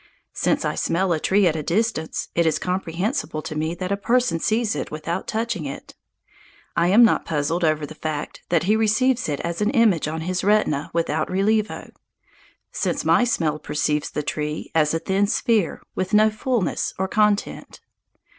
Since I smell a tree at a distance, it is comprehensible to me that a person sees it without touching it. I am not puzzled over the fact that he receives it as an image on his retina without relievo, since my smell perceives the tree as a thin sphere with no fullness or content.